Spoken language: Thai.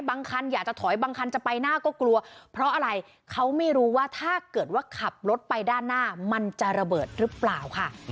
คันอยากจะถอยบางคันจะไปหน้าก็กลัวเพราะอะไรเขาไม่รู้ว่าถ้าเกิดว่าขับรถไปด้านหน้ามันจะระเบิดหรือเปล่าค่ะ